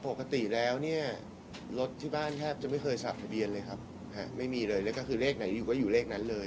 ปกติแล้วเนี่ยรถที่บ้านแทบจะไม่เคยสักทะเบียนเลยครับไม่มีเลยแล้วก็คือเลขไหนอยู่ก็อยู่เลขนั้นเลย